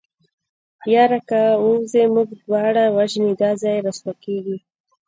يره که ووځې موږ دواړه وژني دا ځای رسوا کېږي.